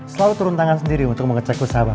selalu turun tangan sendiri untuk mau cek usaha pak